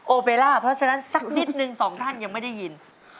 เบล่าเพราะฉะนั้นสักนิดนึงสองท่านยังไม่ได้ยิน